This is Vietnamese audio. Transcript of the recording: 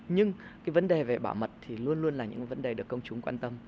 nhưng cái vấn đề về bảo mật thì luôn luôn là những vấn đề được công chúng quan tâm